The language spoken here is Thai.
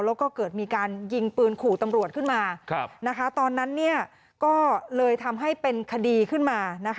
แล้วก็เกิดมีการยิงปืนขู่ตำรวจขึ้นมาตอนนั้นก็เลยทำให้เป็นคดีขึ้นมา